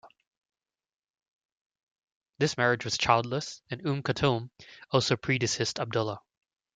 This marriage was childless, and Umm Kulthum also predeceased Abdullah.